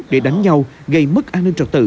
để đánh nhau gây mất an ninh trật tự